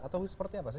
atau seperti apa sih